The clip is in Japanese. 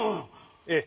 ええ。